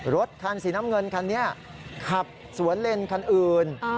รถคันสีน้ำเงินคันนี้ขับสวนเลนคันอื่น